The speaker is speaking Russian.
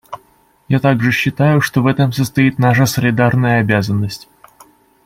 Я также считаю, что в этом состоит наша солидарная обязанность.